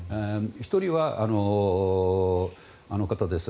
１人は、あの方です。